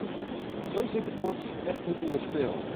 Zo zit de vork dus echt niet in de steel!